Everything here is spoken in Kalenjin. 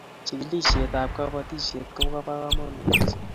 chikilishiet ab kabashiet kobo kamangut mising